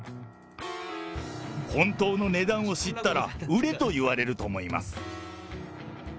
本当の値段を知ったら、売れ！と言われると思います。